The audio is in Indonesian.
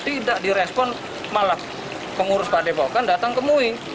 tidak direspon malah pengurus pak depokan datang ke mui